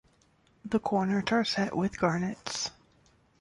The corners are set with garnets.